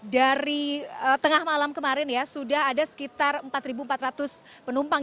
dari tengah malam kemarin ya sudah ada sekitar empat empat ratus penumpang